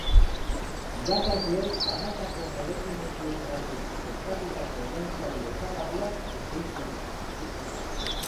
Irakasleek banakako merezimenduengatik eskatutako ordainsari osagarriak esleitu dira.